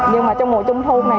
nhưng mà trong mùa chung thu này